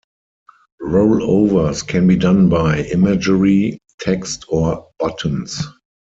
Rollovers can be done by imagery, text or buttons.